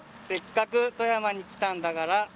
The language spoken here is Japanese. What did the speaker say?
「せっかく富山に来たんだから」